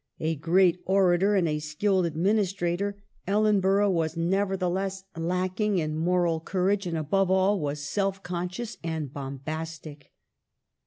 A great orator and a skilled administrator, Ellenborough was nevertheless lacking in moral courage, and above all was self conscious and bombastic.